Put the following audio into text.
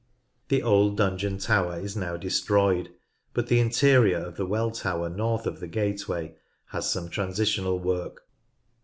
The old dungeon tower is now destroyed, but the interior of the Well Tower north of the gateway has some transitional work.